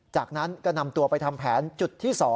จากนั้นก็นำตัวไปทำแผนจุดที่๒